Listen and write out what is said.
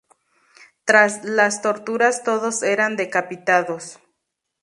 Tras las torturas todos eran decapitados.